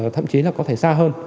thậm chí là có thể xa hơn